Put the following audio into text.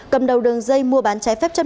cầm đầu đường dây mua bán trái phép chất